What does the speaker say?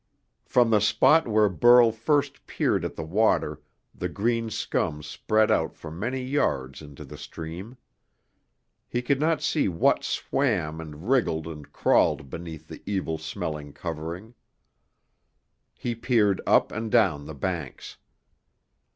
From the spot where Burl first peered at the water the green scum spread out for many yards into the stream. He could not see what swam and wriggled and crawled beneath the evil smelling covering. He peered up and down the banks.